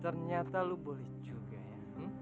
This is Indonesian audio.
ternyata lu boleh juga ya